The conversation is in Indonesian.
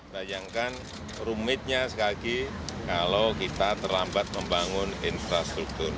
bayangkan rumitnya sekali lagi kalau kita terlambat membangun infrastruktur